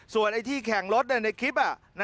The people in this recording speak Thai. ส่วนไอ้ที่แข่งรถในคลิป